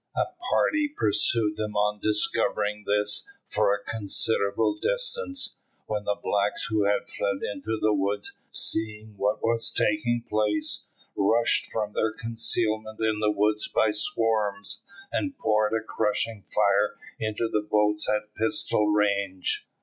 A party pursued them on discovering this for a considerable distance, when the blacks who had fled into the woods, seeing what was taking place, rushed from their concealment in the woods by swarms, and poured a crushing fire into the boats at pistol range.